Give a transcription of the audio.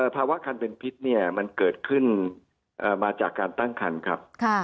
ภาวะคันเป็นพิษเนี่ยมันเกิดขึ้นมาจากการตั้งคันครับ